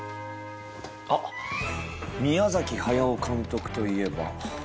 あっ宮駿監督といえば。